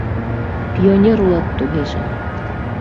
— Пионер улат тугеже...